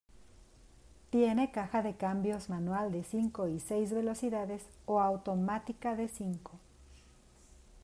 Tiene caja de cambios manual de cinco y seis velocidades o automática de cinco.